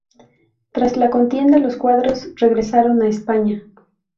Tras la contienda los cuadros regresaron a España.